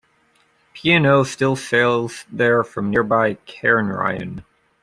P and O still sails there from nearby Cairnryan.